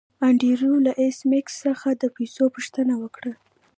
انډریو له ایس میکس څخه د پیسو پوښتنه وکړه